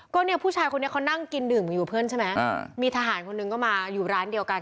ก็เนี่ยผู้ชายคนนี้เขานั่งกินดื่มอยู่กับเพื่อนใช่ไหมมีทหารคนหนึ่งก็มาอยู่ร้านเดียวกัน